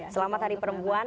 selamat hari perempuan